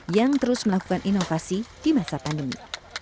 yang terus melakukan inovasi di masa pandemi